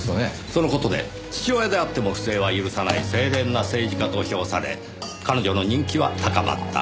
その事で父親であっても不正は許さない清廉な政治家と評され彼女の人気は高まった。